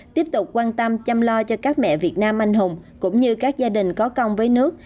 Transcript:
tiếp tục quan tâm chăm lo cho các mẹ việt nam anh hùng cũng như các gia đình có công với nước